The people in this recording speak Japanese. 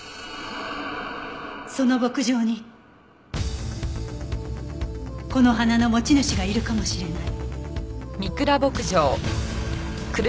その牧場にこの鼻の持ち主がいるかもしれない。